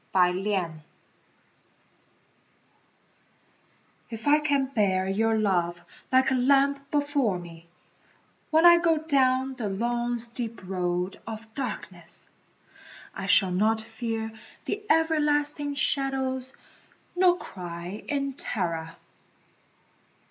The Lamp If I can bear your love like a lamp before me, When I go down the long steep Road of Darkness, I shall not fear the everlasting shadows, Nor cry in terror.